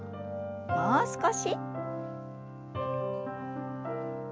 もう少し。